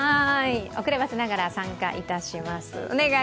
遅ればせながら参加いたします。